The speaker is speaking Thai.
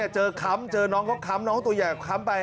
ค้ำเจอน้องก็ค้ำน้องตัวใหญ่ค้ำไป